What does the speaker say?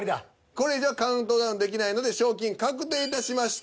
これ以上はカウントダウンできないので賞金確定いたしました。